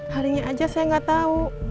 harinya aja saya nggak tahu